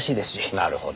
なるほど。